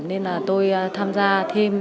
nên là tôi tham gia thêm